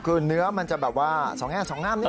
คือเนื้อมันจะแบบว่าสองแง่สองงามนิด